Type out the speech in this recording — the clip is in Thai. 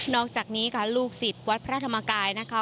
อกจากนี้ค่ะลูกศิษย์วัดพระธรรมกายนะคะ